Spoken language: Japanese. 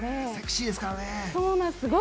セクシーですからね。